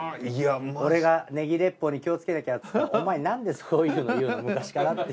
俺がネギ鉄砲に気をつけなきゃっつって「お前なんでそういうの言うの昔から」って。